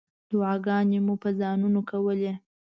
دعاګانې مو په ځانونو کولې.